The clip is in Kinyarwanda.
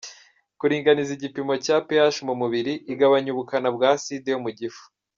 kuringaniza igipimo cya pH mu mubiri, igabanya ubukana bwa acide yo mu gifu